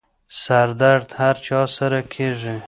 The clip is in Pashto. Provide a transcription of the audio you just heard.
سردرد هر چا سره کېږي.